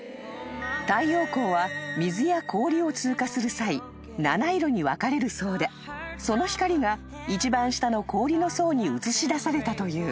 ［太陽光は水や氷を通過する際七色に分かれるそうでその光が一番下の氷の層に映し出されたという］